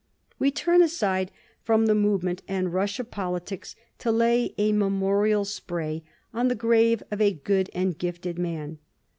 We turn aside from the movement and rash of politics to lay a memorial spray on the grave of a good and a gifted man.